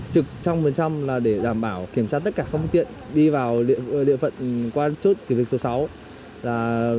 trực một trăm linh là để đảm bảo kiểm tra tất cả không tiện đi vào địa phận qua chốt kỷ lịch số sáu là một trăm linh